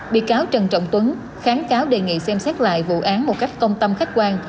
bị cáo trần trọng tuấn kháng cáo đề nghị xem xét lại vụ án một cách công tâm khách quan